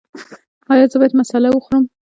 ایا زه باید مساله وخورم؟